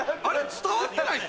伝わってないっすか？